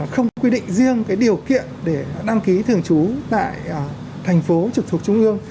không quy định riêng điều kiện để đăng ký thường trú tại thành phố trực thuộc trung ương